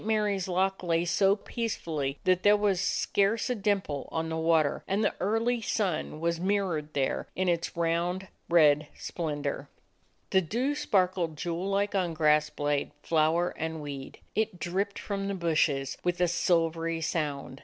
Mary's Loch lay so peacefully that there was scarce a dimple on the water, and the early sun was mirrored there in its round, red splendor. The dew sparkled jewel like on grass blade, flower, and weed; it dripped from the bushes 75 DOG HEROES OF MANY LANDS with a silvery sound.